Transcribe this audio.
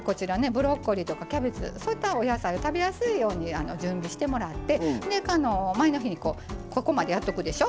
ブロッコリーとかキャベツそういったお野菜を食べやすいように準備してもらって前の日にここまでやっとくでしょ。